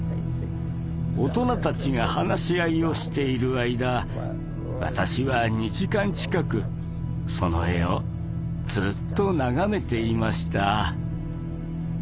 大人たちが話し合いをしている間私は２時間近くその絵をずっと眺めていました。